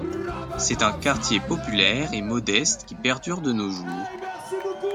C'est un quartier populaire et modeste qui perdure de nos jours.